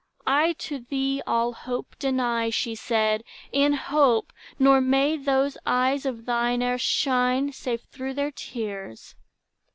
"I to thee All hope deny," she said, "e'en hope; nor may Those eyes of thine e'er shine, save through their tears."